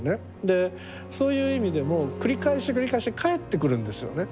でそういう意味でも繰り返し繰り返し帰ってくるんですよね。